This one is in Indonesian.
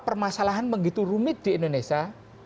permasalahan begitu rumit di indonesia